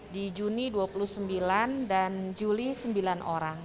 di juni dua puluh sembilan dan juli sembilan orang